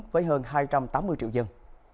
với hơn hai trăm tám mươi triệu dân